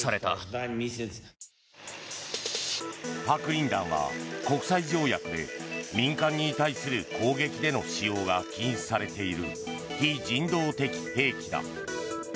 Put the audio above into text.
白リン弾は国際条約で民間に対する攻撃での使用が禁止されている非人道的兵器だ。